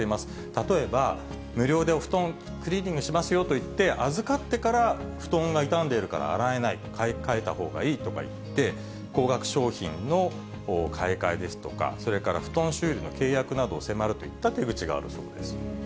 例えば、無料でお布団クリーニングしますよといって、預かってから、布団が傷んでいるから洗えない、買い替えたほうがいいとかいって、高額商品の買い替えですとか、それから布団修理の契約を迫るといった手口があるそうです。